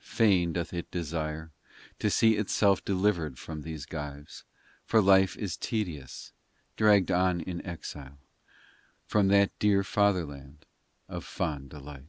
POEMS 305 ii Fain doth it desire To see itself delivered from these gyves, For life is tedious Dragged on in exile From that dear fatherland of fond delight